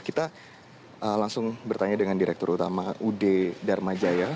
kita langsung bertanya dengan direktur utama ud dharma jaya